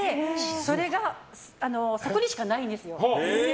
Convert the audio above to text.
それが、そこにしかないんですよ。